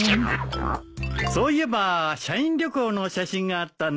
そういえば社員旅行の写真があったんだ。